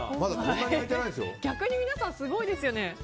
逆に皆さんすごいですよね。